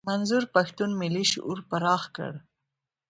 منظور پښتون ملي شعور پراخ کړ.